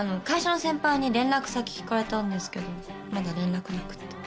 会社の先輩に連絡先聞かれたんですけどまだ連絡なくって。